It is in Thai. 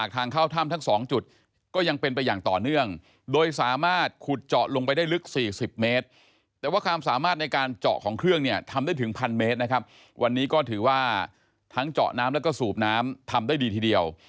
แต่ว่าความสามารถในการเจาะของเครื่องเนี่ยทำได้ถึงพันเมตรนะครับวันนี้ก็ถือว่าทั้งเจาะน้ำและก็สูบน้ำทำได้ดีทีเดียว